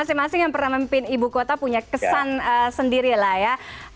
masing masing yang pernah memimpin ibu kota punya kesan sendiri lah ya